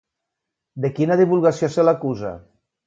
De quina divulgació se l'acusa?